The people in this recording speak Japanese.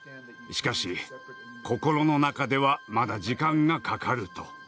しかし心の中ではまだ時間がかかる」と。